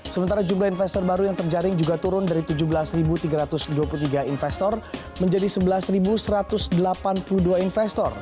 sementara jumlah investor baru yang terjaring juga turun dari tujuh belas tiga ratus dua puluh tiga investor menjadi sebelas satu ratus delapan puluh dua investor